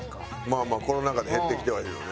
まあまあコロナ禍で減ってきてはいるよね。